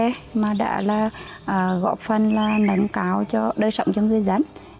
nhờ thu nhập từ trè mà đã góp phần nâng cao cho đời sống trong người dân